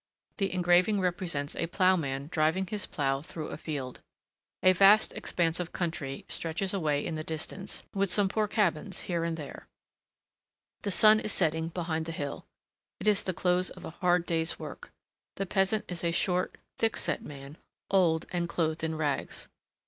The engraving represents a ploughman driving his plough through a field. A vast expanse of country stretches away in the distance, with some poor cabins here and there; the sun is setting behind the hill. It is the close of a hard day's work. The peasant is a short, thick set man, old, and clothed in rags.